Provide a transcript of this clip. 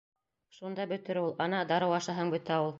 Шунда бөтөр ул. Ана, дарыу ашаһаң бөтә ул...